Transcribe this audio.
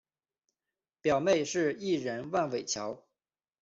表妹是艺人万玮乔。